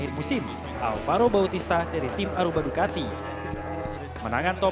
dan saya mencoba untuk menang race